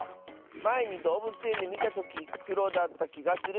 まえにどうぶつえんでみたときくろだったきがする！